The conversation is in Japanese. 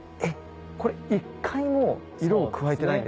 これ一回も色を加えてないんですか？